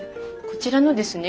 こちらのですね